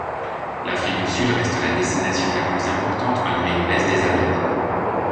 L’Afrique du Sud reste la destination la plus importante malgré une baisse des arrivées.